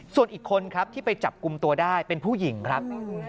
ส่วนอีกคนครับที่ไปจับกลุ่มตัวได้เป็นผู้หญิงครับ